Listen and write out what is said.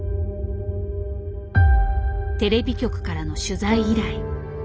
テレビ局からの取材依頼。